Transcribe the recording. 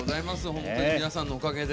本当に皆さんのおかげで。